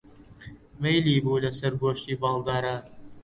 مەیلی بوو لەسەر گۆشتی باڵداران